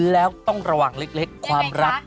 แล้วต้องระวังเล็กความรัก